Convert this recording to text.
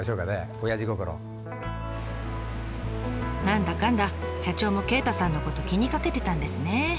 何だかんだ社長も鯨太さんのこと気にかけてたんですね。